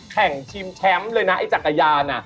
ชิงแชมป์เลยนะไอ้จักรยาน